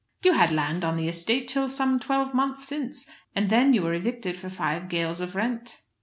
"You had land on the estate till some twelve months since, and then you were evicted for five gales of rent."